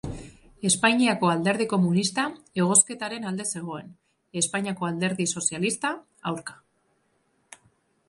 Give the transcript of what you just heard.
Espainiako Alderdi Komunista egozketaren alde zegoen, Espainiako Alderdi Sozialista, aurka.